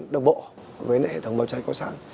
đồng bộ với hệ thống báo cháy có sẵn